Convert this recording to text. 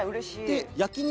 焼肉